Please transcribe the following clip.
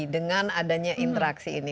dengan adanya interaksi ini